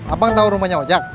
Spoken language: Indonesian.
abang tahu rumahnya ojak